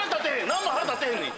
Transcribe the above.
何も腹立ってへんのに。